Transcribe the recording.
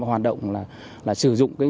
hoạt động là sử dụng